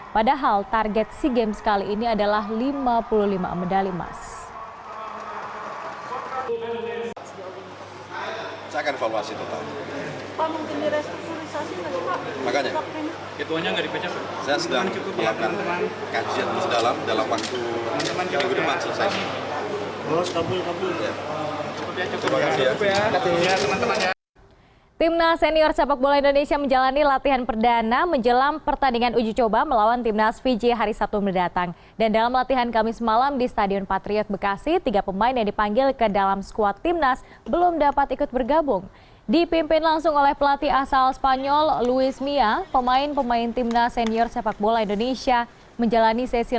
padahal target sea games kali ini adalah lima puluh lima medali emas